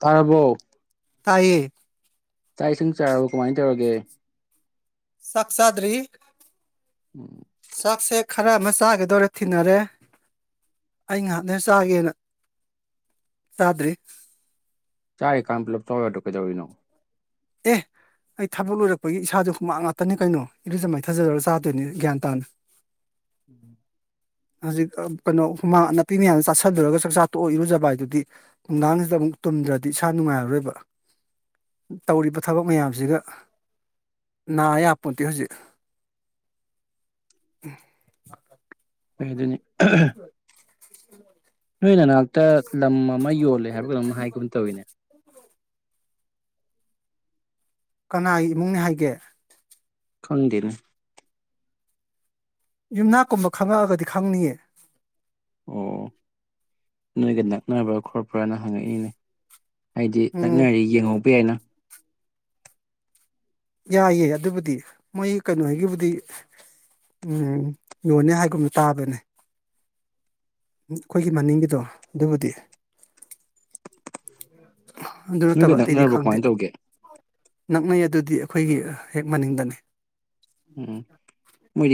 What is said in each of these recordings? ꯇꯥꯔꯕꯣ ꯇꯥꯏꯌꯦ ꯆꯥꯛ ꯏꯁꯤꯡ ꯆꯥꯔꯕ ꯀꯃꯥꯏꯅ ꯇꯧꯔꯒꯦ ꯁꯥꯛꯆꯥꯥꯗꯔꯤ ꯎꯝ ꯆꯥꯛꯁꯦ ꯈꯔ ꯑꯃ ꯆꯥꯒꯗꯧꯔꯦ ꯊꯤꯟꯅꯔꯦ ꯑꯩ ꯉꯥꯏꯍꯥꯛꯇꯁꯨ ꯆꯥꯒꯦꯅ ꯆꯥꯗ꯭ꯔꯤ ꯆꯥꯏ ꯀꯥꯟ ꯃꯂ ꯆꯧꯋ ꯇꯣꯛ ꯀꯦꯗꯧꯅꯣ ꯑꯦ ꯑꯩ ꯊꯕꯛ ꯂꯣꯏꯔꯛꯄꯒꯤ ꯏꯁꯥꯗ ꯍꯨꯃꯥꯡ ꯉꯥꯛꯇꯅꯤ ꯀꯩꯅꯣ ꯏꯔꯨꯖ ꯃꯥꯏꯊꯖꯔꯔꯒ ꯆꯥꯗꯣꯏꯅꯤ ꯒ꯭ꯌꯥꯟ ꯇꯥꯅ ꯎꯝ ꯍꯧꯖꯤꯛ ꯀꯩꯅꯣ ꯍꯨꯃꯥꯡ ꯅꯥꯄꯤ ꯃꯌꯥꯝꯗ ꯆꯥꯥꯁꯜꯂꯨꯔꯒ ꯆꯥꯛꯆꯥ ꯇꯣꯛꯑ ꯏꯔꯨꯖꯕ ꯍꯥꯏꯗꯨꯗꯤ ꯅꯨꯡꯗꯥꯡꯁꯤꯗ ꯑꯃꯨꯛ ꯇꯨꯝꯗ꯭ꯔꯗꯤ ꯏꯁꯥ ꯅꯨꯡꯉꯥꯏꯔꯔꯣꯏꯕ ꯇꯧꯔꯤꯕ ꯊꯕꯛ ꯃꯌꯥꯝꯁꯤꯒ ꯅꯥ ꯌꯥꯕꯄꯣꯠꯇꯦ ꯍꯧꯖꯤꯛ ꯀ ꯑꯗꯨꯅꯤ ꯍꯅ ꯑ ꯂꯝ ꯑꯃ ꯌꯣꯜꯂꯦ ꯍꯥꯏꯕ ꯀꯩꯅ ꯍꯥꯏꯈꯤꯕꯨꯝ ꯑꯃ ꯇꯧꯋꯤꯅꯦ ꯀꯅꯥꯒꯤ ꯏꯃꯨꯡꯅꯤ ꯍꯥꯏꯒꯦ ꯈꯗꯅ ꯌꯨꯝꯅꯥꯛꯀꯨꯝꯕ ꯈꯪꯉꯛꯑꯒꯗꯤ ꯈꯪꯅꯤꯡꯑ ꯑꯣ ꯅꯣꯏꯒ ꯅꯛꯅꯕꯥ ꯈꯣꯠꯄ꯭ꯔꯥꯅ ꯍꯪꯉꯛꯏꯅꯦ ꯍꯥꯏꯗꯤ ꯎꯝ ꯅꯛꯅꯔꯤ ꯌꯦꯡꯍꯧꯕ ꯌꯥꯏꯅ ꯌꯥꯏꯌꯦꯦ ꯑꯗꯨꯕꯨꯗꯤ ꯃꯣꯏ ꯀꯩꯅꯣ ꯍꯥꯏꯒꯤꯕꯨꯗꯤ ꯎ ꯌꯣꯟꯅꯦ ꯍꯥꯏꯒꯨꯝꯅ ꯇꯥꯕꯅꯦ ꯑꯩꯈꯣꯏꯒꯤ ꯃꯅꯤꯡꯒꯤꯗꯣ ꯑꯗꯨꯕꯨꯗꯤ ꯑꯗꯨ ꯅꯣꯏꯒ ꯅꯠꯇꯕ ꯑꯇꯩꯗꯤ ꯅꯛꯅꯔꯕꯣ ꯈꯪꯗꯦ ꯀꯃꯥꯏꯅ ꯇꯧꯒꯦ ꯅꯛꯅꯩ ꯑꯗꯨꯗꯤ ꯑꯩꯈꯣꯏꯒꯤ ꯍꯦꯛ ꯃꯅꯤꯡꯗꯅꯤ ꯎꯝ ꯃ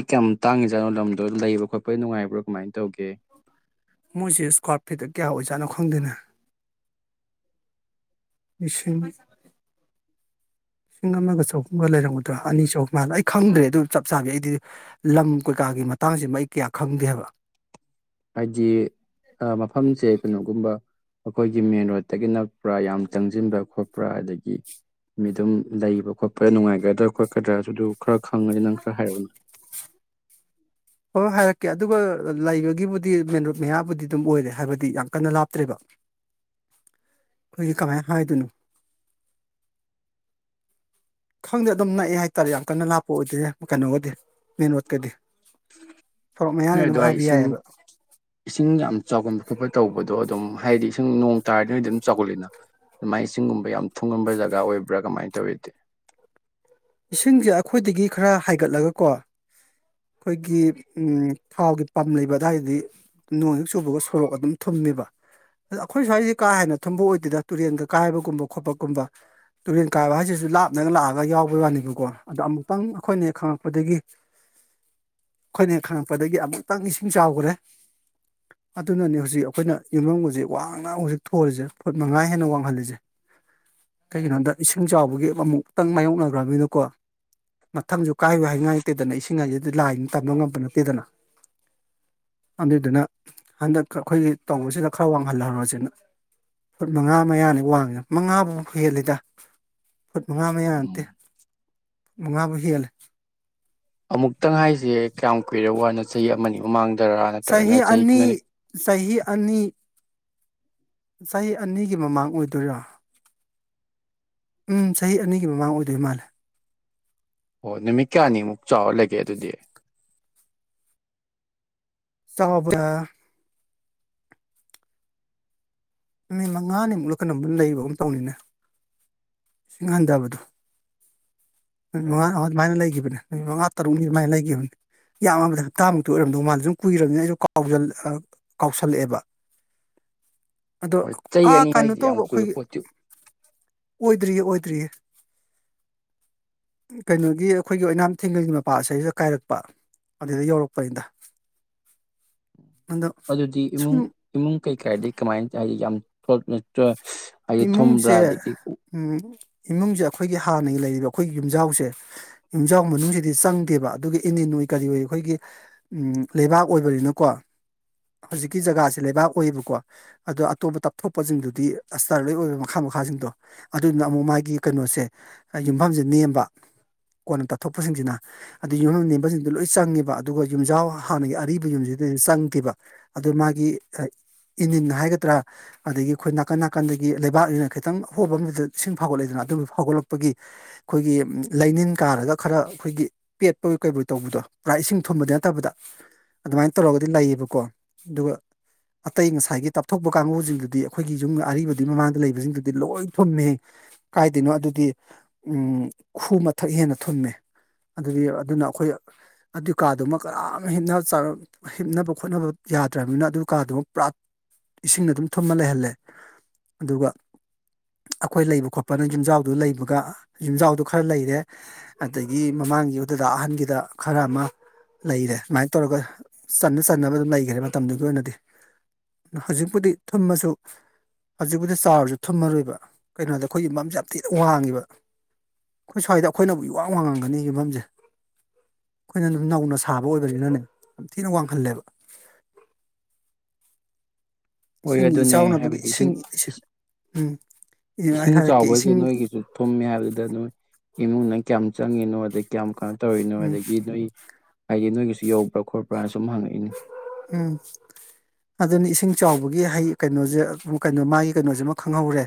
ꯇꯥꯡꯉꯖꯥꯠꯅꯣ ꯂꯝꯗꯣ ꯂꯩꯕ ꯈꯣꯠꯄ ꯅꯨꯡꯉꯥꯏꯕ꯭ꯔꯥ ꯀꯃꯥꯏꯅ ꯇꯧꯒꯦ ꯃꯣꯏꯁꯦ ꯏꯁꯀ꯭ꯋꯥꯔ ꯐꯤꯠꯇ ꯀꯌꯥ ꯑꯣꯏꯖꯥꯠꯅꯣ ꯈꯪꯗꯦꯅ ꯂꯤꯁꯤꯡ ꯂꯤꯁꯤꯡ ꯑꯃꯒ ꯆꯍꯨꯝꯒ ꯂꯩꯔꯝꯒꯗ꯭ꯔꯥ ꯑꯅꯤ ꯆꯍꯨꯝ ꯃꯥꯜꯅ ꯑꯩ ꯈꯪꯗ꯭ꯔꯦ ꯑꯗꯨ ꯆꯞ ꯆꯥꯕꯤ ꯑꯩꯗꯤ ꯂꯝ ꯀꯩꯀꯥꯒꯤ ꯃꯇꯥꯡꯁꯤꯃ ꯑꯩ ꯀꯌꯥ ꯈꯪꯗꯦꯕ ꯍꯥꯏꯗꯤ ꯃꯐꯝꯁꯦ ꯀꯩꯅꯣꯒꯨꯝꯕ ꯑꯩꯈꯣꯏꯒꯤ ꯃꯦꯟ ꯔꯣꯗꯠꯇꯒꯤ ꯅꯛꯄ꯭ꯔꯥ ꯌꯥꯝ ꯆꯪꯁꯤꯟꯕ ꯈꯣꯠꯄ꯭ꯔ ꯑꯗꯒꯤ ꯃꯤꯗꯨꯝ ꯂꯩꯕ ꯈꯣꯠꯄ ꯅꯨꯡꯉꯥꯏꯒꯗ꯭ꯔꯥ ꯈꯣꯠꯀꯗ꯭ꯔꯥ ꯑꯗꯨꯗꯨ ꯈꯔ ꯈꯪꯉꯅꯤ ꯅꯪ ꯈꯔ ꯍꯥꯏꯔꯛꯎꯅ ꯍꯣꯏꯣꯏ ꯍꯥꯏꯔꯛꯀꯦ ꯑꯗꯨꯒ ꯂꯩꯕꯒꯤꯕꯨꯗꯤ ꯃꯦꯟ ꯔꯣꯠ ꯃꯌꯥꯕꯨꯗꯤ ꯑꯗꯨꯝ ꯑꯣꯏꯔꯦ ꯍꯥꯏꯕꯗꯤ ꯌꯥꯝ ꯀꯟꯅ ꯂꯥꯞꯇ꯭ꯔꯦꯕ ꯑꯩꯈꯣꯏꯒꯤ ꯀꯃꯥꯏꯅ ꯍꯥꯏꯗꯣꯏꯅꯣ ꯈꯪꯗꯦ ꯑꯗꯨꯝ ꯅꯛꯑꯦ ꯍꯥꯏꯇꯥꯔꯦ ꯌꯥꯝ ꯀꯟꯅ ꯂꯥꯞꯄ ꯑꯣꯏꯗꯔꯦ ꯀꯩꯅꯣꯒꯗꯤ ꯃꯦꯟ ꯔꯣꯗꯀꯗꯤ ꯁꯣꯔꯣꯛ ꯍꯣꯏ ꯃꯌꯥꯅꯤ ꯑꯗꯨꯝ ꯑꯗꯨꯋꯥꯏ ꯍꯥꯏꯕ ꯏꯁꯤꯡ ꯌꯥꯏꯑꯕ ꯏꯁꯤꯡ ꯌꯥꯝ ꯆꯥꯎꯒꯟ ꯈꯣꯠꯄ ꯇꯧꯕꯗꯣ ꯑꯗꯨꯝ ꯍꯥꯏꯗꯤ ꯏꯁꯁꯤꯡ ꯅꯣꯡ ꯇꯥꯔꯗꯤ ꯅꯣꯏꯗꯤ ꯑꯗꯨꯝ ꯆꯥꯎꯈꯠꯂꯤꯅ ꯃꯥꯏꯅ ꯆꯤꯡꯒꯨꯝꯕ ꯌꯥꯝ ꯊꯨꯡꯉꯝꯕ ꯖꯒꯥ ꯑꯣꯏꯕ꯭ꯔꯥ ꯀꯃꯥꯏꯅ ꯇꯧꯋꯗꯤ ꯏꯁꯤꯡꯁꯦ ꯑꯩꯈꯣꯏꯗꯒꯤ ꯈꯔ ꯍꯥꯏꯒꯠꯂꯒꯀꯣ ꯑꯩꯈꯣꯏꯒꯤ ꯊꯥꯎꯒꯤ ꯄꯝ ꯂꯩꯕ ꯑꯗꯨꯋꯥꯏꯗꯗꯤ ꯅꯣꯡ ꯍꯨꯛ ꯆꯨꯕꯒ ꯁꯣꯔꯣꯛ ꯑꯗꯨꯝ ꯊꯨꯝꯃꯦꯕ ꯑꯗ ꯑꯩꯈꯣꯏ ꯁ꯭ꯋꯥꯏꯁꯦ ꯀꯥ ꯍꯦꯟꯅ ꯊꯨꯝꯕ ꯑꯣꯏꯗꯦꯗ ꯇꯨꯔꯦꯜꯒ ꯀꯥꯏꯕꯒꯨꯝꯕ ꯈꯣꯠꯄꯒꯨꯝꯕ ꯇꯨꯔꯦꯟ ꯀꯥꯏꯕ ꯍꯥꯏꯁꯤꯁꯨ ꯂꯥꯞꯅꯒ ꯂꯥꯛꯑꯒ ꯌꯥꯎꯕ ꯑꯩꯈꯣꯏ ꯋꯥꯅꯤꯕꯀꯣ ꯑꯗꯣ ꯑꯃꯨꯛꯇꯪ ꯑꯩꯈꯣꯏꯅ ꯍꯦꯛ ꯈꯪꯉꯛꯄꯗꯒꯤ ꯑꯩꯈꯣꯏꯅ ꯍꯦꯛ ꯈꯪꯉꯛꯄꯗꯒꯤ ꯑꯃꯨꯛꯇꯪ ꯏꯁꯤꯡ ꯆꯥꯎꯈ꯭ꯔꯦ ꯑꯗꯨꯅꯅꯦ ꯍꯧꯖꯤꯛ ꯑꯩꯈꯣꯏꯅ ꯌꯨꯝꯐꯝꯪꯁꯦ ꯋꯥꯡꯅ ꯍꯧꯖꯤꯛ ꯊꯣꯜꯂꯤꯁꯦ ꯐꯨꯠ ꯃꯉꯥ ꯍꯦꯟꯅ ꯋꯥꯡꯍꯜꯂꯤꯁꯦ ꯀꯩꯒꯤꯅꯣꯗ ꯏꯁꯤꯡ ꯆꯥꯎꯕꯒꯤ ꯑꯃꯨꯛꯇꯪ ꯃꯥꯥꯏꯌꯣꯛꯅ ꯎꯧꯃꯤꯅꯀꯣ ꯃꯊꯪꯁꯨ ꯀꯥꯏꯌꯨ ꯍꯥꯏꯉꯥꯏꯇꯦꯗꯅ ꯏꯁꯤꯡ ꯍꯥꯏꯁꯤꯗꯤ ꯂꯥꯏꯅ ꯇꯝꯕ ꯉꯝꯕ ꯅꯠꯇꯦꯗꯅ ꯑꯗꯨꯗꯨꯅ ꯍꯟꯗꯛ ꯑꯩꯈꯣꯏꯒꯤ ꯇꯧꯕꯁꯤꯅ ꯈꯔ ꯋꯥꯡꯍꯜꯍꯧꯔꯨꯔꯁꯤꯅ ꯐꯨꯠ ꯃꯉꯥ ꯃꯌꯥꯅꯤ ꯋꯥꯡꯉꯤꯦ ꯃꯉꯥꯐꯥꯎ ꯍꯦꯜꯂꯤꯗ ꯐꯨꯠ ꯃꯉꯥ ꯃꯌꯥ ꯎꯝ ꯃꯉꯥꯕꯨ ꯍꯦꯜꯂꯦ ꯑꯃꯨꯛꯇꯪ ꯍꯥꯏꯁꯦ ꯀꯌꯥꯝ ꯀꯨꯏꯔꯦ ꯋꯥꯅꯣ ꯆꯍꯤ ꯑꯃꯒꯤ ꯃꯃꯥꯡꯗ ꯁꯍ ꯑꯅꯤ ꯁꯍꯤ ꯑꯅꯤ ꯆꯍꯤ ꯑꯅꯤꯒꯤ ꯃꯃꯥꯡ ꯑꯣꯏꯗꯣꯏꯔꯥ ꯎꯝ ꯆꯍꯤ ꯑꯅꯤꯒꯤ ꯃꯃꯥꯡ ꯑꯣꯏꯗꯣꯏ ꯃꯥꯜꯂꯦ ꯑꯣ ꯅꯨꯃꯤꯠ ꯀꯌꯥꯅꯤꯃꯨꯛ ꯆꯥꯎꯔꯂꯒꯦ ꯑꯗꯨꯗꯤ ꯆꯥꯎꯥꯎꯕ꯭ꯔꯥ ꯃꯤꯠ ꯃꯉꯥꯅꯤꯃꯨꯛ ꯂꯧꯀꯅ ꯂꯩꯕ ꯑꯃ ꯇꯧꯅꯤꯅꯦ ꯏꯁꯤꯡꯍꯟꯊꯕꯗꯣ ꯑꯣ ꯑꯋꯥ ꯃꯥꯏꯅ ꯂꯩ ꯀꯈꯤꯕ ꯄꯅꯦ ꯅꯨꯃꯤꯠ ꯃꯉꯥ ꯇꯔꯨꯛꯅꯤ ꯑꯗꯨꯃꯥꯏꯅ ꯂꯩꯈꯤꯕꯅꯤ ꯌꯥꯝꯃꯕꯗ ꯍꯞꯇꯥꯃꯨꯛꯇꯤ ꯑꯣꯏꯔꯝꯗꯧ ꯃꯥꯜꯂꯦ ꯁꯨꯝ ꯀꯨꯏꯔꯕꯅꯤꯅ ꯑꯩꯁꯨ ꯀꯥꯎꯁꯜꯂꯛꯑꯦꯕ ꯑꯗꯣ ꯣꯏ ꯆꯩ ꯑꯥ ꯑꯅꯤ ꯀꯩꯅꯣ ꯍꯥꯏꯁꯤꯗꯤ ꯌꯥꯝ ꯇꯧꯕ ꯀꯨꯏꯕ ꯑꯩꯈꯣꯏꯒꯤ ꯄꯣꯠꯇꯤ ꯑꯣꯏꯗ꯭ꯔꯤꯌꯦ ꯑꯣꯏꯗ꯭ꯔꯤꯌꯦ ꯀꯩꯅꯣꯒꯤ ꯑꯩꯈꯣꯏꯒꯤ ꯑꯣꯏꯅꯥꯝꯊꯦꯡꯒꯜꯒꯤ ꯃꯄꯥꯁꯗ ꯀꯥꯏꯔꯛꯄ ꯑꯗꯨꯗ ꯌꯧꯔꯛꯄꯅꯤꯗ ꯑꯗꯣ ꯑꯗꯨꯗꯤ ꯏꯃꯨꯡ ꯁꯨꯝ ꯏꯃꯨꯡ ꯀꯩꯀꯥꯏꯗꯤ ꯀꯃꯥꯏꯅ ꯇ ꯍꯥꯏꯗꯤ ꯌꯥꯝ ꯊꯠꯣꯏ ꯏꯃꯨꯡꯁꯦ ꯏꯃꯨꯡꯁꯦ ꯑꯩꯈꯣꯏꯒꯤ ꯍꯥꯟꯅꯒꯤ ꯂꯩꯔꯤꯕ ꯑꯩꯈꯣꯏꯒꯤ ꯌꯨꯝꯖꯥꯎꯁꯦ ꯌꯨꯝꯖꯥꯎ ꯃꯅꯨꯡꯁꯤꯗꯤ ꯆꯪꯗꯦꯕ ꯑꯗꯨꯒꯒꯤ ꯏꯅꯤ ꯅꯣꯏ ꯀꯔꯤ ꯑꯣꯏ ꯑꯩꯈꯣꯏꯒꯤ ꯂꯩꯕꯥꯛ ꯑꯣꯏꯕꯅꯤꯅꯀꯣ ꯍꯧꯖꯤꯛꯀꯤ ꯖꯒꯥꯁꯦ ꯂꯩꯕꯥꯛ ꯑꯣꯏꯌꯦꯕꯀꯣ ꯑꯗꯣ ꯑꯇꯣꯞꯄ ꯇꯞꯊꯣꯛꯄꯁꯤꯡꯗꯨꯗꯤ ꯑꯁꯇꯔ ꯂꯣꯏ ꯑꯣꯏꯕ ꯃꯈꯥ ꯃꯈꯥꯁꯤꯡꯗꯣ ꯑꯗꯨꯗꯨꯅ ꯑꯃꯨꯛ ꯃꯥꯒꯤ ꯀꯩꯅꯣꯁꯦ ꯌꯨꯝꯐꯝꯁꯦ ꯅꯦꯝꯕ ꯀꯣꯟꯅ ꯇꯥꯊꯣꯛꯄꯁꯤꯡꯁꯤꯅ ꯑꯗꯨ ꯌꯨꯝꯐꯝ ꯅꯦꯝꯕꯁꯤꯡꯗꯣ ꯂꯣꯏ ꯆꯪꯉꯦꯕ ꯑꯗꯨꯒ ꯌꯨꯝꯖꯥꯎ ꯍꯥꯟꯅꯒꯤ ꯑꯔꯤꯕ ꯌꯨꯝꯁꯤꯗ ꯆꯪꯗꯦꯕ ꯑꯗꯨ ꯃꯥꯒꯤ ꯏꯅꯤꯟ ꯍꯥꯏꯒꯗ꯭ꯔꯥ ꯑꯗꯒꯤ ꯑꯩꯈꯣꯏ ꯅꯥꯀꯟ ꯅꯥꯀꯟ ꯀꯀꯥꯟꯗꯒꯤ ꯂꯩꯕꯥꯛꯅꯤꯅ ꯈꯤꯇꯪ ꯍꯣꯕ ꯑꯃꯗꯨꯗ ꯏꯁꯤꯡ ꯐꯥꯎꯒꯠꯂꯛꯏꯗꯅ ꯑꯗꯨ ꯐꯥꯎꯒꯠꯂꯛꯄꯒꯤ ꯑꯩꯈꯣꯏꯒꯤ ꯂꯥꯏꯅꯤꯡꯟ ꯀꯥꯔꯒ ꯈꯔ ꯑꯩꯈꯣꯏꯒꯤ ꯄꯦꯠꯄ ꯀꯩꯕꯨ ꯇꯧꯕꯗꯣ ꯄꯨꯔꯥ ꯏꯁꯤꯡ ꯊꯨꯝꯕꯗꯤ ꯅꯠꯇꯕꯗ ꯑꯗꯨꯃꯥꯏꯅ ꯇꯧꯔꯒꯗꯤ ꯂꯩꯌꯦꯕꯀꯣ ꯑꯗꯨꯒ ꯑꯇꯩ ꯉꯁꯥꯏꯒꯤ ꯇꯥꯞꯊꯣꯛꯄ ꯀꯥꯡꯕꯨꯁꯤꯡꯗꯨꯗꯤ ꯑꯩꯈꯣꯏꯒꯤ ꯌꯨꯝ ꯑꯔꯤꯕꯗꯨ ꯃꯃꯥꯡꯗ ꯂꯩꯕꯁꯤꯡꯗꯨꯗꯤ ꯂꯣꯏ ꯊꯨꯝꯃꯦ ꯀꯥꯏꯗꯣꯏꯅꯣ ꯑꯗꯨꯗꯤ ꯈꯨ ꯃꯊꯛ ꯍꯦꯟꯅ ꯊꯨꯝꯃꯦ ꯑꯗꯨꯗꯤ ꯑꯗꯨꯅ ꯑꯩꯈꯣꯏ ꯑꯗꯨ ꯀꯥꯗꯨꯃ ꯀꯅꯥꯝꯞ ꯍꯤꯞꯅꯕ ꯈꯣꯠꯅꯕ ꯌꯥꯗ꯭ꯔꯕꯅꯤꯅ ꯑꯗꯨ ꯀꯥꯗꯨꯃ ꯄꯨꯔꯥꯠ ꯏꯁꯤꯡꯅ ꯑꯗꯨꯝ ꯊꯨꯝꯃ ꯂꯩꯍꯜꯂꯦ ꯑꯗꯨꯒ ꯑꯩꯈꯣꯏ ꯂꯩꯕ ꯈꯣꯠꯄꯅ ꯌꯨꯝꯖꯥꯎꯗꯨ ꯂꯩꯕꯒ ꯌꯨꯝꯖꯥꯎꯗꯨ ꯈꯔ ꯂꯩꯔꯦ ꯑꯗꯒꯤ ꯃꯃꯥꯡꯒꯤꯗꯨꯗꯗ ꯑꯍꯟꯒꯤꯗ ꯈꯔ ꯑꯃ ꯂꯩꯔꯦ ꯑꯗꯨꯃꯥꯏꯅ ꯇꯧꯔꯒ ꯆꯅ ꯆꯟꯅꯕ ꯑꯗꯨꯝ ꯂꯩꯈ꯭ꯔꯦ ꯃꯇꯝꯗꯨꯒꯤ ꯑꯣꯏꯅꯗꯤ ꯍꯧꯖꯤꯛꯄꯨꯗꯤ ꯊꯨꯝꯃꯁꯨ ꯍꯧꯖꯤꯛꯄꯗꯤ ꯆꯥꯎꯔꯁꯨ ꯊꯨꯝꯃꯔꯣꯏꯕ ꯀꯩꯅꯣꯗ ꯑꯩꯈꯣꯏꯒꯤ ꯌꯨꯝꯐꯝꯝꯁꯦ ꯌꯥꯝ ꯊꯤꯅ ꯋꯥꯡꯉꯤꯕ ꯑꯩꯈꯣꯏ ꯁ꯭ꯋꯥꯏꯗ ꯑꯩꯈꯣꯏꯅꯕꯨ ꯋꯥꯡ ꯋꯥꯡꯉꯝꯒꯅꯤ ꯌꯨꯝꯝꯁꯦ ꯑꯩꯈꯣꯏꯅ ꯑꯗꯨꯝ ꯅꯧꯅ ꯁꯥꯕ ꯑꯣꯏꯕꯁꯤꯅꯅꯦ ꯌꯥꯝ ꯊꯤꯅ ꯋꯥꯡꯍꯜꯂꯦꯕ ꯍꯣꯏ ꯏꯁꯤꯡꯒꯤ ꯑꯗꯨꯅꯦ ꯏꯆꯥꯎꯅꯕꯒꯤ ꯍꯥꯏꯕꯗꯤ ꯏꯁꯤꯡ ꯎꯝ ꯑꯩ ꯏꯁꯤꯡ ꯍꯥꯏꯔꯛꯀꯦ ꯆꯥꯎꯕꯁꯦ ꯏꯁꯤꯡ ꯅꯣꯏꯒꯤꯁꯨ ꯊꯨꯝꯃꯦ ꯍꯥꯏꯕꯗꯨꯗ ꯅꯣꯏ ꯏꯃꯨꯡꯅ ꯀꯌꯥꯝ ꯆꯪꯉꯤꯅꯣ ꯑꯗꯩ ꯀꯌꯥꯝ ꯀꯥꯟ ꯇꯧꯔꯤꯅꯣ ꯎꯝ ꯑꯗꯒꯤ ꯅꯣꯏ ꯍꯥꯏꯗꯤ ꯅꯣꯏꯒꯤꯁꯨ ꯌꯧꯕ꯭ꯔꯥ ꯈꯣꯠꯄ꯭ꯔꯥꯅ ꯁꯨꯝ ꯍꯪꯉꯛꯏꯅꯤ ꯎꯝ ꯑꯗꯨꯅꯤ ꯏꯁꯤꯡ ꯆꯥꯎꯕꯒꯤ ꯍꯩ ꯀꯩꯅꯣꯁꯦ ꯀꯩꯅꯣ ꯃꯥꯒꯤ ꯀꯩꯅꯣꯁꯤꯃ ꯈꯪꯍꯧꯔꯦ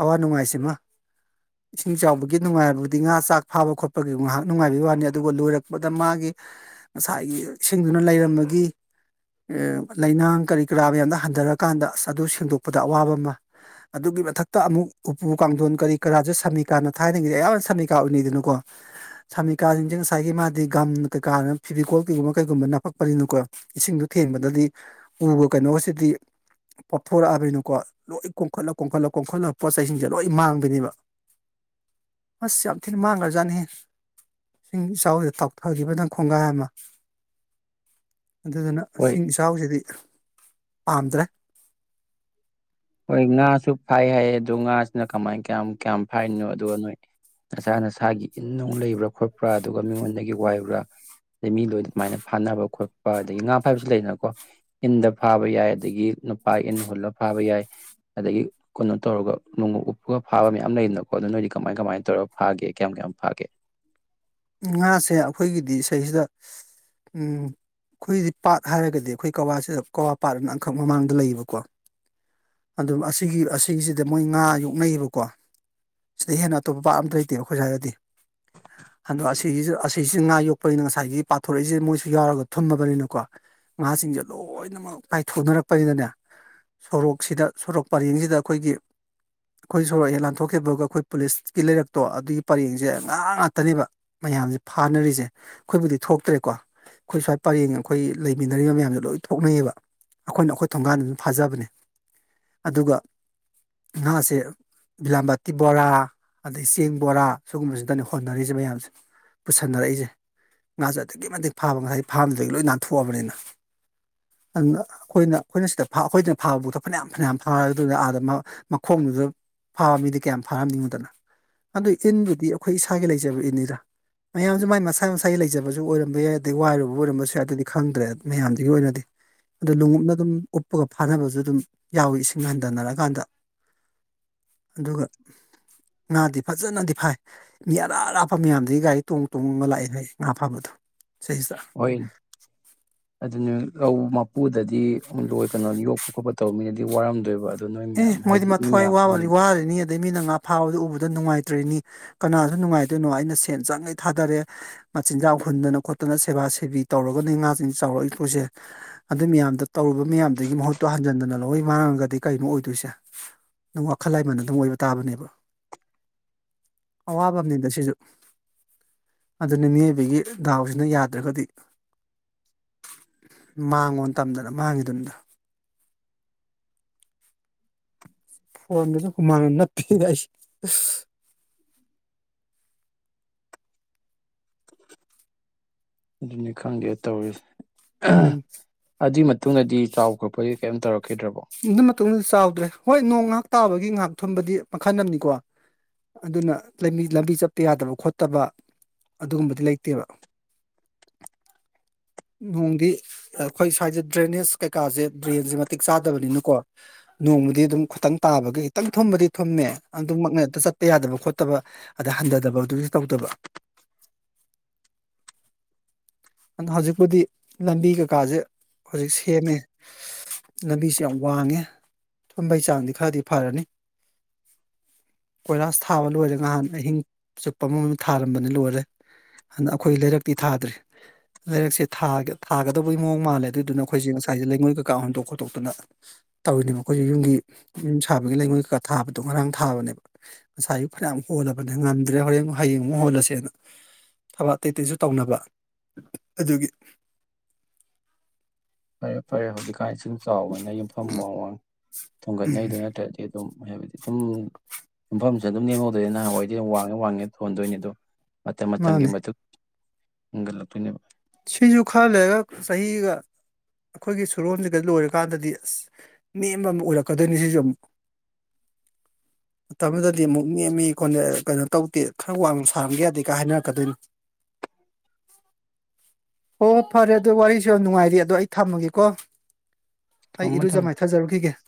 ꯑꯋꯥ ꯅꯨꯡꯉꯥꯏꯁꯤꯃ ꯏꯁꯤꯡ ꯆꯥꯎꯕꯒꯤ ꯅꯨꯡꯉꯥꯏꯔꯕꯗꯤ ꯉꯥ ꯆꯥꯛ ꯐꯥꯕ ꯈꯣꯠꯄꯒꯤ ꯉꯥꯏꯍꯥꯛ ꯅꯨꯡꯉꯥꯏꯕꯒꯤ ꯋꯥꯅꯤ ꯑꯗꯨꯒ ꯂꯣꯏꯔꯛꯄꯗ ꯃꯥꯒꯤ ꯉꯁꯥꯏꯒꯤ ꯏꯁꯤꯡꯗꯨꯅ ꯂꯩꯔꯝꯕꯒꯤ ꯂꯩꯅꯥꯡ ꯀꯔꯤ ꯀꯔꯥ ꯃꯌꯥꯝꯗ ꯍꯟꯊꯔꯀꯥꯟꯗ ꯑꯁ ꯑꯗꯨ ꯁꯦꯡꯗꯣꯛꯄꯗ ꯑꯋꯥꯕ ꯑꯃ ꯑꯗꯨꯒꯤ ꯃꯊꯛꯇ ꯑꯃꯨꯛ ꯎꯄꯨ ꯀꯥꯡꯊꯣꯟ ꯀꯔꯤ ꯀꯔꯥꯁꯨꯦ ꯁꯃꯤꯀꯥꯅ ꯊꯥꯏꯅꯉꯩꯗ ꯑꯌꯥꯝꯕꯅ ꯁꯃꯤꯀꯥ ꯎꯅꯩꯗꯅꯀꯣ ꯁꯃꯤꯀꯥꯁꯤꯡꯁꯦ ꯉꯁꯥꯏꯒꯤ ꯃꯥꯗꯤ ꯒꯝ ꯀꯩꯀꯥꯅ ꯐꯤꯕꯤꯀꯣꯜ ꯀꯩꯒꯨꯝꯕ ꯀꯩꯒꯨꯝꯕ ꯅꯞꯄꯛꯄꯅꯤꯅꯀꯣ ꯏꯁꯤꯡꯗꯣ ꯊꯦꯡꯕꯗꯗꯤ ꯎꯕ ꯀꯩꯅꯣꯁꯤꯗꯤ ꯄꯣꯠꯊꯣꯔꯛꯑꯕꯅꯤꯅꯀꯣ ꯂꯣꯏ ꯀꯣꯝꯈꯠꯂ ꯀꯣꯝꯈꯠꯂ ꯀꯣꯝꯈꯠꯂ ꯄꯣꯠ ꯆꯩꯁꯤꯡꯁꯦ ꯂꯣꯏ ꯃꯥꯡꯗꯣꯏꯅꯦꯕ ꯑꯁ ꯌꯥꯝ ꯊꯤꯅ ꯃꯥꯡꯈ꯭ꯔꯖꯥꯠꯅꯤ ꯏꯁꯤꯡ ꯏꯆꯥꯎꯁꯤꯗ ꯇꯥꯎꯊꯈꯤꯕ ꯅꯪ ꯈꯣꯡꯒꯥꯏ ꯑꯃ ꯑꯗꯨꯗꯨꯅ ꯍꯣꯏ ꯏꯁꯤꯡ ꯏꯆꯥꯎꯁꯤꯗꯤ ꯄꯝꯗ꯭ꯔꯦ ꯍꯣꯏ ꯉꯥꯁꯨ ꯐꯥꯏ ꯍꯥꯏꯌꯦ ꯑꯗꯣ ꯉꯥꯁꯤꯅ ꯀꯃꯥꯏ ꯀꯌꯥꯝ ꯀꯌꯥꯝ ꯐꯥꯏꯔꯤꯅꯣ ꯑꯗꯨꯒꯣ ꯅꯣꯏ ꯅꯁꯥ ꯅꯁꯥꯒꯤ ꯏꯟ ꯅꯨꯡ ꯂꯩꯕ꯭ꯔꯥ ꯈꯣꯠꯄ꯭ꯔꯥ ꯑꯗꯨꯒ ꯃꯤꯉꯣꯟꯗꯒꯤ ꯋꯥꯏꯕ꯭ꯔꯥ ꯑꯗꯩ ꯃꯤ ꯂꯣꯏ ꯑꯗꯨꯃꯥꯏꯅ ꯐꯥꯅꯕ ꯈꯣꯠꯄ ꯑꯗꯒꯤ ꯉꯥ ꯐꯥꯕꯁꯨ ꯂꯩꯗꯅꯀꯣ ꯏꯟꯗ ꯐꯥꯕ ꯌꯥꯏ ꯑꯗꯒꯤ ꯅꯨꯄꯥ ꯏꯟ ꯍꯨꯜꯂꯒ ꯐꯥꯕ ꯌꯥꯏ ꯑꯗꯒꯤ ꯀꯩꯅꯣ ꯇꯧꯔꯒ ꯅꯣꯡꯃ ꯎꯞꯄꯒ ꯐꯥꯕ ꯃꯌꯥꯝ ꯂꯩꯗꯅꯀꯣ ꯑꯗꯨꯣ ꯅꯣꯏꯗꯤ ꯀꯃꯥꯏ ꯀꯃꯥꯏꯅ ꯇꯧꯔꯒ ꯐꯥꯒꯦ ꯀꯌꯥꯝ ꯀꯌꯥꯝ ꯐꯥꯒꯦ ꯉꯥꯁꯦ ꯑꯩꯈꯣꯏꯒꯤꯗꯤ ꯏꯁꯩꯁꯤꯗ ꯑꯩꯈꯣꯏꯒꯤꯗꯤ ꯄꯥꯠ ꯍꯥꯏꯔꯒꯗꯤ ꯑꯩꯈꯣꯏ ꯀꯋꯥꯁꯤꯗ ꯀꯋꯥ ꯄꯥꯠ ꯑꯅ ꯑꯪꯈꯛ ꯃꯃꯥꯡꯗ ꯂꯩꯌꯦꯕꯀꯣ ꯑꯗꯨ ꯑꯁꯤꯒꯤ ꯑꯁꯤꯒꯤꯁꯤꯗ ꯃꯣꯏ ꯉꯥ ꯌꯣꯛꯅꯩꯌꯦꯕꯀꯣ ꯁꯤꯗ ꯍꯦꯟꯅ ꯑꯇꯣꯞꯄ ꯄꯥꯠ ꯑꯝꯇ ꯂꯩꯇꯦꯕ ꯑꯩꯈꯣꯏ ꯁ꯭ꯋꯥꯏꯔꯗꯤ ꯑꯟꯗꯣ ꯑꯁꯤꯁꯨ ꯑꯁꯤꯁꯤ ꯉꯥ ꯌꯣꯛꯄꯅꯤꯅ ꯉꯁꯥꯏꯒꯤ ꯄꯥꯊꯣꯔꯛꯏꯁꯦ ꯃꯣꯏꯁꯨ ꯌꯥꯎꯔꯒ ꯊꯨꯝꯃꯕꯅꯤꯅꯀꯣ ꯉꯥꯁꯤꯡꯁꯦ ꯂꯣꯏꯅꯃꯛ ꯀꯥꯏꯊꯣꯛꯅꯔꯛꯄꯅꯤꯅꯅꯦ ꯁꯣꯔꯣꯛꯁꯤꯗ ꯁꯣꯔꯣꯛ ꯄꯔꯦꯡꯁꯤꯗ ꯑꯩꯈꯣꯏꯒꯤ ꯑꯩꯈꯣꯏ ꯁꯣꯔꯣꯛ ꯍꯦꯛ ꯂꯥꯟꯊꯣꯛꯈꯤꯕꯒ ꯑꯩꯈꯣꯏ ꯄꯨꯂꯤꯁꯀꯤ ꯂꯩꯔꯛꯇꯣ ꯑꯗꯨꯒꯤ ꯄꯔꯦꯡꯁꯦ ꯉꯥ ꯉꯥꯛꯇꯅꯦꯕ ꯃꯌꯥꯝꯁꯦ ꯐꯥꯅꯔꯤꯁꯦ ꯑꯩꯈꯣꯏꯕꯨꯗꯤ ꯊꯣꯛꯇ꯭ꯔꯦꯀꯣ ꯑꯩꯈꯣꯏ ꯁ꯭ꯋꯥꯏ ꯄꯔꯦꯡ ꯑꯩꯈꯣꯏ ꯂꯩꯃꯤꯟꯅꯔꯤꯕ ꯃꯌꯥꯝꯁꯦ ꯂꯣꯏ ꯊꯣꯛꯅꯩꯌꯦꯕ ꯑꯩꯈꯣꯏꯅ ꯑꯩꯈꯣꯏ ꯊꯣꯡꯒꯥꯟꯗ ꯑꯗꯨꯝ ꯐꯥꯖꯕꯅꯦ ꯑꯗꯨꯒ ꯉꯥꯁꯦ ꯕꯤꯂꯥꯝꯕꯥꯇꯤ ꯕꯣꯔꯥ ꯑꯗꯩ ꯆꯦꯡ ꯕꯣꯔꯥ ꯁꯤꯒꯨꯝꯕꯁꯤꯗꯅꯦ ꯍꯣꯠꯅꯔꯤꯁꯦ ꯃꯌꯥꯝꯁꯦ ꯄꯨꯁꯟꯅꯔꯛꯏꯁꯦ ꯉꯥꯁꯦ ꯑꯗꯨꯛꯀꯤ ꯃꯇꯤꯛ ꯐꯥꯕ ꯉꯁꯥꯏ ꯐꯥꯝꯗꯨꯗꯒꯤ ꯂꯣꯏ ꯅꯥꯟꯊꯣꯛꯑꯕꯅꯤꯅ ꯑꯗꯨꯅ ꯑꯩꯈꯣꯏꯅ ꯑꯩꯈꯣꯏꯅ ꯁꯤꯗ ꯑꯩꯈꯣꯏꯗꯅ ꯐꯥꯕꯐꯥꯎꯗ ꯐꯅꯌꯥꯝ ꯐꯅꯌꯥꯝ ꯐꯥꯔ ꯑꯗꯨꯅ ꯑꯥꯗ ꯃꯈꯣꯡꯗꯨꯗ ꯐꯥꯕ ꯃꯤꯗꯤ ꯀꯌꯥꯝ ꯐꯥꯔꯝꯅꯤꯡꯉꯣꯗꯅ ꯑꯗꯨ ꯏꯟꯗꯨꯗꯤ ꯑꯩꯈꯣꯏ ꯏꯁꯥꯒꯤ ꯂꯩꯖꯕ ꯏꯟꯅꯤꯗ ꯃꯌꯥꯝꯁꯨ ꯃꯥꯏ ꯃꯁꯥꯏ ꯃꯁꯥꯒꯤ ꯂꯩꯖꯕꯁꯨ ꯑꯣꯏꯔꯝꯕ ꯌꯥꯏ ꯑꯗꯩ ꯋꯥꯏꯔꯨꯕ ꯑꯣꯏꯔꯝꯕꯁꯨ ꯌꯥꯏ ꯑꯗꯨꯗꯤ ꯈꯪꯗ꯭ꯔꯦ ꯃꯌꯥꯝꯗꯨꯒꯤ ꯑꯣꯏꯅꯗꯤ ꯑꯗꯨ ꯂꯣꯡꯎꯞꯅ ꯑꯗꯨꯝ ꯎꯞꯄꯒ ꯐꯥꯅꯕꯁꯨ ꯑꯗꯨꯝ ꯌꯥꯎꯏꯤ ꯏꯁꯤꯡ ꯍꯟꯊꯅꯔꯛꯀꯥꯟꯗ ꯑꯗꯨꯒ ꯉꯥꯗꯤ ꯐꯖꯅꯗꯤ ꯐꯥꯏ ꯃꯤ ꯑꯔꯥ ꯑꯔꯥꯞꯄ ꯃꯌꯥꯝ ꯑꯗꯨꯗꯒꯤ ꯒꯥꯔꯤ ꯇꯣꯡ ꯇꯣꯡꯉꯒ ꯂꯥꯛꯏꯦ ꯍꯥꯏ ꯉꯥ ꯐꯥꯕꯗꯣ ꯆꯍꯤꯗ ꯑꯗꯨꯅ ꯂꯧ ꯃꯄꯨꯗꯗꯤ ꯑꯃ ꯂꯣꯏ ꯀꯩꯅꯣ ꯌꯣꯛꯄ ꯈꯣꯠꯄ ꯇꯧꯕ ꯃꯤꯅꯗꯤ ꯋꯥꯔꯝꯗꯣꯏꯕ ꯑꯗꯨ ꯅꯣꯏ ꯃꯌꯥꯝ ꯑꯦ ꯃꯣꯏꯗꯤ ꯍꯥꯏꯗꯤ ꯃꯤ ꯃꯌꯥꯝꯁꯤꯅꯗꯤ ꯃꯊ꯭ꯋꯥꯏꯕꯅꯤ ꯋꯥꯔꯅꯤ ꯑꯗꯩ ꯃꯤꯅ ꯉꯥ ꯐꯥꯕꯗꯤ ꯎꯕ ꯅꯨꯡꯉꯥꯏꯇ꯭ꯔꯔꯤꯅꯤ ꯀꯅꯥꯁꯨ ꯅꯨꯡꯉꯥꯏꯗꯣꯏꯅꯣ ꯑꯩꯅ ꯁꯦꯟ ꯆꯪꯉꯩ ꯊꯥꯗꯔꯦ ꯃꯆꯤꯟꯖꯥꯛ ꯍꯨꯟꯗꯅ ꯈꯣꯠꯇꯅ ꯁꯦꯕꯥ ꯁꯦꯕꯤ ꯇꯧꯔꯒꯅꯦ ꯉꯥꯁꯤꯡꯁꯤ ꯆꯥꯎꯔꯛꯏꯗꯣꯏꯁꯦ ꯑꯗꯨ ꯃꯌꯥꯝꯗ ꯇꯧꯨꯕ ꯃꯌꯥꯝꯗꯨꯒꯤ ꯃꯍꯨꯠꯇꯣ ꯍꯟꯖꯤꯟꯗꯅ ꯂꯧꯋ ꯃꯥꯡꯒꯗꯤ ꯀꯩꯅꯣ ꯑꯣꯏꯗꯣꯏꯁꯦ ꯑꯗꯨꯝ ꯋꯥꯈꯜ ꯂꯩꯃꯟ ꯑꯗꯨꯝ ꯑꯣꯏꯕ ꯇꯥꯕꯅꯦꯕ ꯑꯋꯥꯕ ꯑꯃꯗ ꯁꯤꯁꯨ ꯑꯗꯨꯅ ꯃꯤꯑꯣꯏꯕꯒꯤ ꯗꯥꯎꯁꯤꯅ ꯌꯥꯗ꯭ꯔꯒꯗꯤ ꯃꯥꯡꯉꯣ ꯇꯝꯗꯅ ꯃꯥꯡꯉꯤꯗꯨꯅꯤꯗ ꯐꯣꯟꯗꯁꯨ ꯍꯨꯃꯥꯡꯅ ꯅ ꯄꯤꯔ ꯑꯩꯁꯤ ꯑꯗꯨꯅꯤ ꯈꯪꯒꯦ ꯇꯧꯋꯁꯦ ꯎꯝ ꯑꯗꯨꯖꯤ ꯃ ꯃꯇꯨꯡꯗꯗꯤ ꯆꯥꯎ ꯈꯣꯠꯄꯗꯒꯤ ꯀꯩꯝꯇ ꯇꯧꯔꯛꯈꯤꯗ꯭ꯔꯕ ꯑꯗꯨ ꯃꯇꯨꯡꯗꯗꯤ ꯆꯥꯎꯗ꯭ꯔꯦ ꯍꯣꯏ ꯅꯣꯡ ꯉꯥꯏꯍꯥꯛ ꯇꯥꯕꯒꯤ ꯉꯥꯏꯍꯥꯛ ꯊꯣꯟꯕꯗꯤ ꯃꯈꯜ ꯑꯃꯅꯤꯀꯣ ꯑꯗꯨꯅ ꯂꯝꯕꯤ ꯆꯠꯄ ꯌꯥꯗꯕ ꯈꯣꯠꯇꯕ ꯑꯗꯨꯒꯨꯝꯕꯗꯤ ꯂꯩꯇꯦꯕ ꯅꯣꯡꯗꯤ ꯑꯩꯈꯣꯏ ꯁ꯭ꯋꯥꯏꯁꯦ ꯗ꯭ꯔꯦꯅꯦꯖ ꯀꯩꯀꯥꯁꯦ ꯗ꯭ꯔꯦꯟꯁꯦ ꯃꯇꯤꯛ ꯆꯥꯗꯕꯅꯤꯅꯀꯣ ꯅꯣꯡꯃꯗꯤ ꯑꯗꯨꯝ ꯈꯤꯇꯪ ꯇꯥꯕꯒꯤ ꯈꯤꯇꯪ ꯊꯨꯝꯕꯗꯤ ꯊꯨꯝꯃꯦ ꯑꯗꯨꯝꯃꯛꯅꯦꯛꯇ ꯆꯠꯄ ꯌꯥꯗꯕ ꯈꯣꯠꯇꯕ ꯑꯗ ꯍꯟꯊꯗꯕ ꯑꯗꯨꯁꯨ ꯇꯧꯗꯕ ꯑꯗꯨꯗ ꯍꯧꯖꯤꯛꯄꯨꯗꯤ ꯂꯝꯕꯤ ꯀꯀꯥꯁꯦ ꯍꯧꯖꯤꯛ ꯁꯦꯝꯃꯦ ꯂꯝꯕꯤꯁꯦ ꯌꯥꯝ ꯋꯥꯡꯉꯦ ꯊꯝꯕꯩ ꯆꯥꯡꯗꯤ ꯈꯔꯗꯤ ꯐꯔꯅꯤ ꯀꯣꯏꯂꯥꯁ ꯊꯥꯕ ꯂꯣꯏꯔꯦ ꯅꯍꯥꯟ ꯑꯍꯤꯡ ꯆꯨꯞꯄ ꯑꯃꯃꯝ ꯊꯥꯔꯝꯕꯅꯤ ꯂꯣꯏꯔꯦ ꯑꯗꯨꯅ ꯑꯩꯈꯣꯏ ꯂꯩꯔꯛꯇꯤ ꯊꯥꯗ꯭ꯔꯤ ꯂꯩꯔꯛꯁꯦ ꯊꯥꯒꯗꯧꯕꯒꯤ ꯃꯑꯣꯡ ꯃꯥꯜꯂꯦ ꯑꯗꯨꯏꯗꯨꯅ ꯑꯩꯈꯣꯏꯁꯦ ꯉꯁꯥꯏꯁꯦ ꯂꯩꯉꯣꯏ ꯀꯩꯀꯥ ꯍꯣꯟꯗꯣꯛ ꯈꯣꯠꯇꯣꯛꯇꯨꯅ ꯇꯧꯔꯤꯅꯦꯕ ꯑꯩꯈꯣꯏꯁꯦ ꯌꯨꯝꯒꯤ ꯌꯨꯝ ꯁꯥꯕꯒꯤ ꯂꯩꯉꯣꯏ ꯀꯩꯀꯥ ꯊꯥꯕꯗꯣ ꯉꯔꯥꯡ ꯊꯥꯕꯅꯦꯕ ꯉꯁꯥꯏꯁꯨ ꯐꯅꯌꯥꯝ ꯍꯣꯜꯂꯕꯅꯦ ꯉꯝꯗ꯭ꯔꯦ ꯍꯣꯔꯦꯟ ꯍꯌꯦꯡ ꯑꯃꯨꯛ ꯍꯣꯜꯂꯁꯦꯅ ꯊꯕꯛ ꯑꯇꯩ ꯑꯇꯩꯁꯨ ꯇꯧꯅꯕ ꯑꯗꯨꯒꯤ ꯐꯔꯦ ꯐꯔꯌꯦꯦ ꯍꯧꯖꯤꯛ ꯀꯥ ꯏꯁꯤꯡ ꯆꯥꯎꯕꯅ ꯌꯨꯝꯐꯝ ꯃꯃꯡ ꯎꯝ ꯊꯣꯡꯒꯠꯅꯩꯗꯨ ꯅꯠꯇ꯭ꯔꯗꯤ ꯑꯗꯨꯝ ꯍꯥꯏꯕꯗꯤ ꯑꯗꯨꯝ ꯌꯨꯝꯐꯝꯁꯦ ꯑꯗꯨꯝ ꯂꯦꯝꯍꯧꯗꯣꯏꯅꯤ ꯅꯍꯥꯟꯋꯥꯏꯗꯤ ꯌꯥꯝ ꯋꯥꯡꯉꯦ ꯋꯥꯡꯉꯦ ꯊꯣꯟꯗꯣꯏꯅꯤ ꯑꯗꯣ ꯃ ꯃꯪꯒꯤ ꯃꯥꯅꯦ ꯃꯗꯨ ꯒꯂ ꯊꯅꯦꯕ ꯁꯤꯁꯨ ꯈꯔ ꯂꯩꯔꯒ ꯆꯍꯤꯒ ꯑꯩꯈꯣꯏꯒꯤ ꯁꯨꯔꯣꯁꯤꯒ ꯂꯣꯏꯔꯀꯥꯟꯗꯗꯤ ꯑꯁ ꯅꯦꯝꯕ ꯑꯃ ꯑꯣꯏꯔꯛꯀꯗꯣꯏꯅꯤ ꯁꯤꯁꯨ ꯑꯃꯨꯛ ꯃꯇꯝꯗꯨꯗꯗꯤ ꯑꯃꯨꯛ ꯅꯦꯝꯃꯤ ꯈꯣꯠꯂ ꯀꯩꯅꯣ ꯇꯧꯗꯦ ꯈꯔ ꯋꯥꯡꯅ ꯁꯥꯔꯒ ꯌꯥꯗꯦꯒ ꯍꯥꯏꯅꯔꯛꯀꯗꯣꯏꯅꯤ ꯑꯣ ꯐꯔꯦ ꯑꯗꯨ ꯋꯥꯔꯤꯁꯨ ꯌꯥꯝ ꯅꯨꯡꯉꯥꯏꯔꯤ ꯑꯗꯣ ꯑꯩ ꯊꯝꯃꯒꯦꯀꯣ ꯑꯩ ꯊꯝꯃꯣ ꯏꯔꯨꯖ ꯊꯝꯃꯣ ꯃꯥꯏꯊꯥꯖꯔꯨꯈꯤꯒꯦ ꯑꯄ